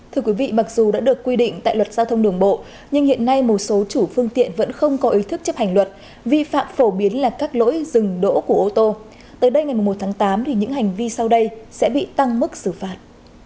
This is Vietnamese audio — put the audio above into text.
thưa quý vị mặc dù đã được quy định tại luật giao thông đường bộ nhưng hiện nay một số chủ phương tiện vẫn không có ý thức chấp hành luật vi phạm phổ biến là các lỗi dừng đỗ của ô tô tới đây ngày một tháng tám thì những hành vi sau đây sẽ bị tăng mức xử phạt